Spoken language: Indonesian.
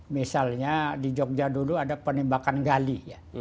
misalnya di jogja dulu ada penembakan gali ya